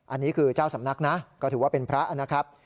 อันนี้คือเจ้าสำนักนะก็ถือว่าเป็นพระนะครับ